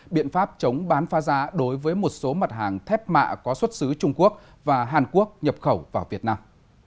biện pháp chống bán phá giá đối với một số mặt hàng thép mạ có xuất xứ trung quốc và hàn quốc nhập khẩu vào việt nam